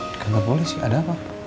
di kantor polisi ada apa